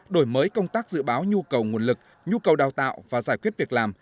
đổi mới công tác dự báo nhu cầu nguồn lực nhu cầu đào tạo và giải quyết việc làm